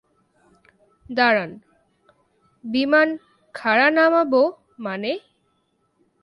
দাঁড়ান, বিমান খাঁড়া নামাবো মানে?